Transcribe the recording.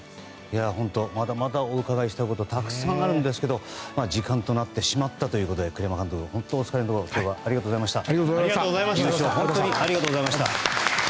まだまだお伺いしたいことたくさんあるんですけども時間となってしまったので栗山監督、本当お疲れのところありがとうございました。